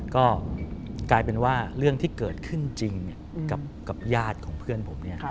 ก็กลายเป็นว่าเรื่องที่เกิดขึ้นจริงกับญาติของเพื่อนผมเนี่ย